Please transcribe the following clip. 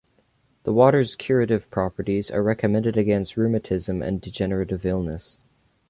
The waters' curative properties are recommended against rheumatism and degenerative illnesses.